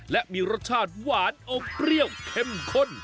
และมีรสชาติหวานอมเปรี้ยวเข้มข้น